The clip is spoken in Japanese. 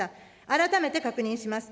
改めて確認します。